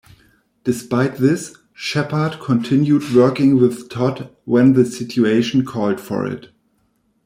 Despite this, Sheppard continued working with Todd when the situation called for it.